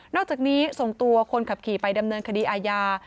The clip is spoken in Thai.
อกจากนี้ส่งตัวคนขับขี่ไปดำเนินคดีอาญา